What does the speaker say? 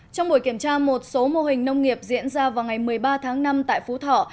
trong buổi kiểm tra một số mô hình nông nghiệp diễn ra vào ngày một mươi ba tháng năm tại phú thọ